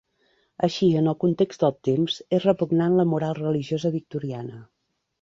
Així, en el context dels temps, és repugnant la moral religiosa victoriana.